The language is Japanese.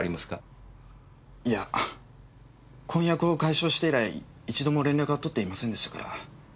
いや婚約を解消して以来一度も連絡は取っていませんでしたから。